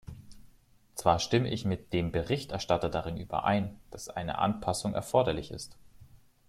Zwar stimme ich mit dem Berichterstatter darin überein, dass eine Anpassung erforderlich ist.